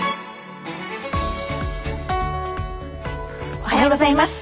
おはようございます。